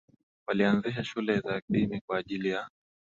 walianzisha shule za dini kwa ajili ya